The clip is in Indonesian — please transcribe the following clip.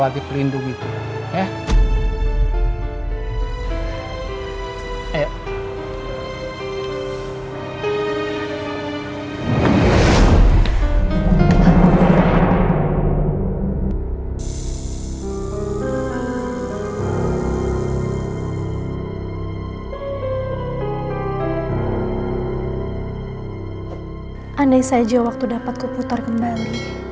andai saja waktu dapat kuputar kembali